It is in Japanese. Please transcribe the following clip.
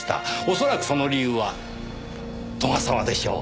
恐らくその理由は斗ヶ沢でしょう。